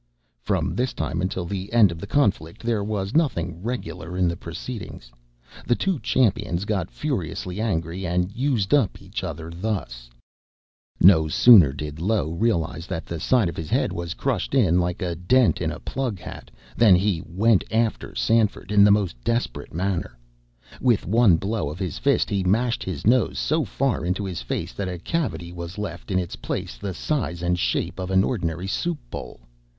From this time until the end of the conflict, there was nothing regular in the proceedings. The two champions got furiously angry, and used up each other thus: No sooner did Low realize that the side of his head was crushed in like a dent in a plug hat, than he "went after" Stanford in the most desperate manner. With one blow of his fist he mashed his nose so far into his face that a cavity was left in its place the size and shape of an ordinary soup bowl.